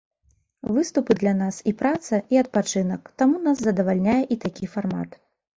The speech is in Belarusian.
Выступы для нас і праца, і адпачынак, таму нас задавальняе і такі фармат.